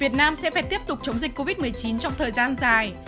việt nam sẽ phải tiếp tục chống dịch covid một mươi chín trong thời gian dài